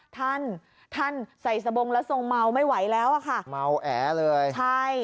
ท่านท่านใส่สบงแล้วทรงเมาไม่ไหวแล้วอ่ะค่ะเมาแอเลยใช่